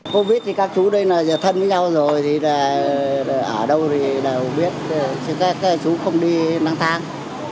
covid thì các chú đây là thân với nhau rồi thì ở đâu thì đều biết chứ các chú không đi năng thang